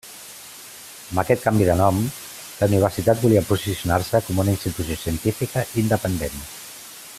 Amb aquest canvi de nom, la universitat volia posicionar-se com una institució científica independent.